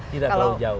tidak terlalu jauh